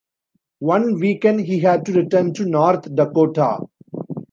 One weekend, he had to return to North Dakota.